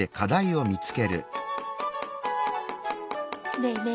ねえねえ